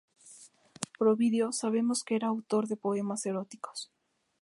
Por Ovidio sabemos que era autor de poemas eróticos.